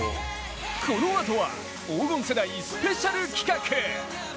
このあとは黄金世代スペシャル企画。